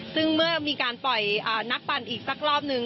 ซึ่งเมื่อมีการปล่อยนักปั่นอีกสักรอบนึง